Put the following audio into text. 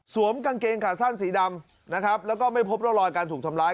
สวมกางเกงขาสั้นสีดำแล้วก็ไม่พบเล่ารอยการถูกทำร้าย